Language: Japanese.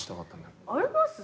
あります？